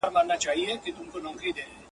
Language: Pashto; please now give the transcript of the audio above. تشول چي مي خُمونه هغه نه یم !.